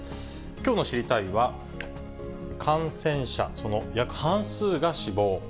きょうの知りたいッ！は、感染者、その約半数が死亡。